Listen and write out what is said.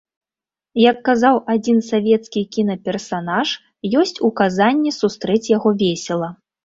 Як казаў адзін савецкі кінаперсанаж, ёсць указанне сустрэць яго весела.